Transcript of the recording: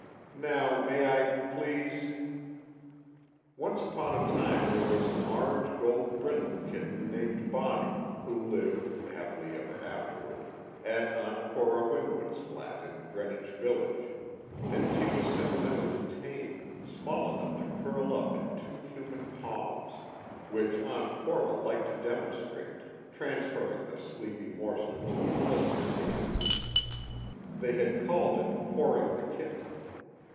Now may I please_ Once upon a time there was an orange gold brindle kitten named Bonnie who lived (happily ever afterward) at Aunt Cora Winwood's flat in Greenwich Village, and she was sentimentally tame, small enough to curl up in two human palms. Which Aunt Cora liked to demonstrate, transferring the sleepy morsel to Callista's hands. They had called it "pouring the kitten."